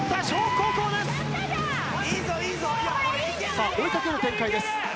さあ追い掛ける展開です